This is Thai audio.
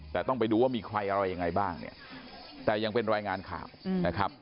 แต่ต้องไปดูว่ามีใครอะไรยังไงบ้างเนี่ยแต่ยังเป็นรายงานข่าวนะครับ